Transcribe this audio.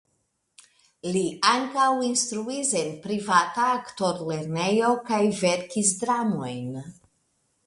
Li ankaŭ instruis en privata aktorlernejo kaj verkis dramojn.